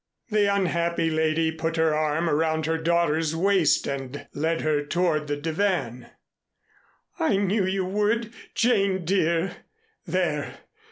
The unhappy lady put her arm around her daughter's waist and led her toward the divan. "I knew you would, Jane dear. There.